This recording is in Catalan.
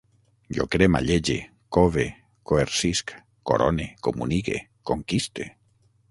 Jo cremallege, cove, coercisc, corone, comunique, conquiste